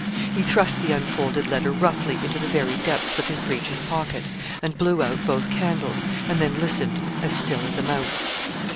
He thrust the unfolded letter roughly into the very depths of his breeches pocket, and blew out both candles; and then listened, as still as a mouse.